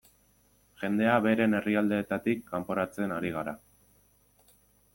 Jendea beren herrialdeetatik kanporatzen ari gara.